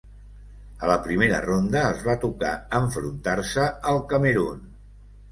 A la primera ronda, els va tocar enfrontar-se al Camerun.